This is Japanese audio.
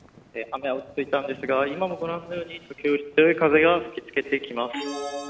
雨が落ち着いたんですが今もご覧のように、時折強い風が吹き付けてきます。